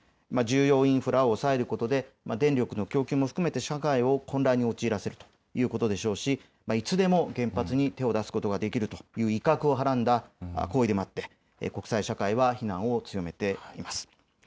重要インフラを抑えることで電力の供給も含めて社会を混乱に陥らせようということでしょうしいつでも原発に手を出すことができるという威嚇をはらんだ行為でもあって国際社会は非難を強めています。